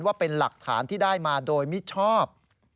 ว่าเป็นหลักฐานที่ได้มาโดยมิชอบ